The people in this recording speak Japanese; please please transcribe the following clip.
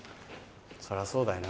そりゃそうだよな。